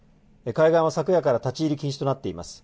海岸は昨夜から立ち入り禁止となっています。